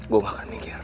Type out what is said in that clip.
gue gak akan minggir